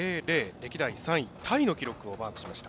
歴代３位タイの記録をマークしました。